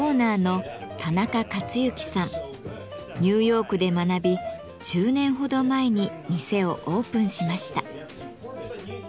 ニューヨークで学び１０年ほど前に店をオープンしました。